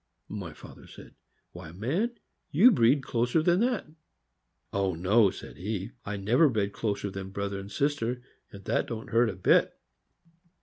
My father said :" Why, man', you breed closer than that." "Oh, no," said he; "I never bred closer than brother and sister, and that don't hurt a bit."